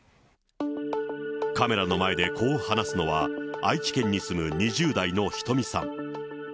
カメラの前でこう話すのは、愛知県に住む２０代のひとみさん。